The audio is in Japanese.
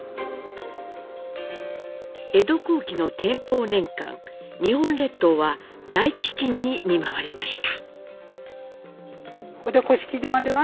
江戸後期の天保年間日本列島は大飢饉に見舞われました。